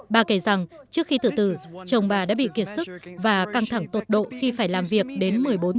bà kể rằng trước khi tử tử chồng bà đã bị kiệt sức và căng thẳng tột độ khi phải làm việc đến một mươi bốn tuổi